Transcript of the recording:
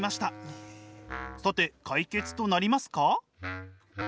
さて解決となりますか？